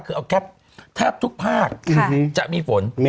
คือแทบทุกภาคจะมีฝน